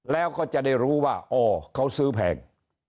แล้วก็จะได้รู้ว่าอ๋อเขาซื้อแพง